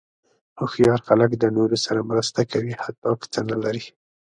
هوښیار خلک د نورو سره مرسته کوي، حتی که څه نه لري.